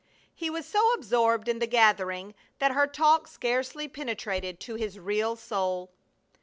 He was so absorbed in the gathering that her talk scarcely penetrated to his real soul.